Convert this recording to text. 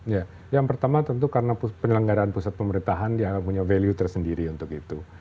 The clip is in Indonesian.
ya yang pertama tentu karena penyelenggaraan pusat pemerintahan dianggap punya value tersendiri untuk itu